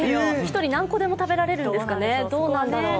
１人何個でも食べられるんですかね、どうなんだろう。